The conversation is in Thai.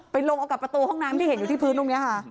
ลงเอากับประตูห้องน้ำที่เห็นอยู่ที่พื้นตรงนี้ค่ะ